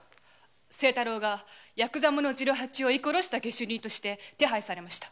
清太郎がヤクザ者次郎八を射殺した下手人として手配されました。